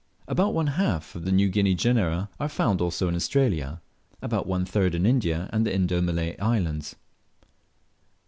About one half of the New Guinea genera are found also in Australia, about one third in India and the Indo Malay islands.